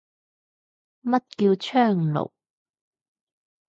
乜叫窗爐